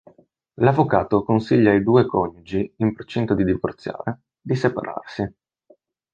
L'avvocato consiglia ai due coniugi in procinto di divorziare, di separarsi.